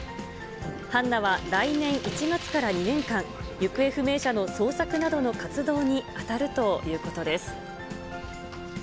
ハンナは来年１月から２年間、行方不明者の捜索などの活動に当たるということです。